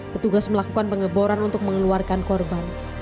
petugas melakukan pengeboran untuk mengeluarkan korban